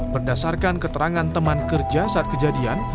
berdasarkan keterangan teman kerja saat kejadian